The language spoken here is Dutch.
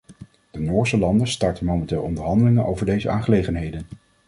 De noordse landen starten momenteel onderhandelingen over deze aangelegenheden.